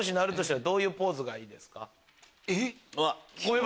えっ？